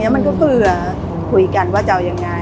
มันก็เผื่อคุยกันว่าจะเอายังไง